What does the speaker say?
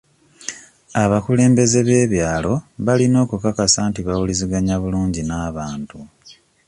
Abakulembeze b'ebyalo balina okukakasa nti bawuliziganya bulungi n'abantu.